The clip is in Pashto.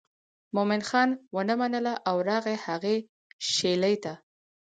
مومن خان ونه منله او راغی هغې شېلې ته.